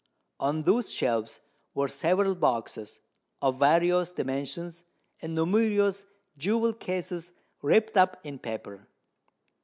On those shelves were several boxes, of various dimensions, and numerous jewel cases wrapped up in paper.